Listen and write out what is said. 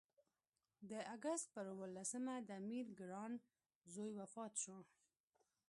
د اګست پر اووه لسمه د امیر ګران زوی وفات شو.